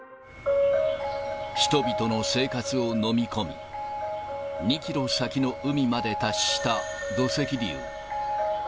人々の生活を飲み込み、２キロ先の海まで達した土石流。